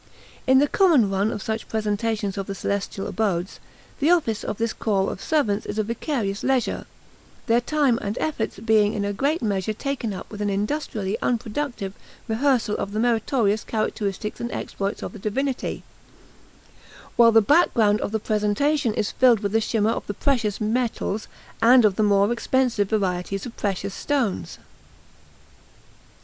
In the common run of such presentations of the celestial abodes, the office of this corps of servants is a vicarious leisure, their time and efforts being in great measure taken up with an industrially unproductive rehearsal of the meritorious characteristics and exploits of the divinity; while the background of the presentation is filled with the shimmer of the precious metals and of the more expensive varieties of precious stones.